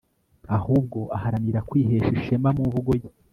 ahubwo aharanira kwihesha ishema mu mvugo ye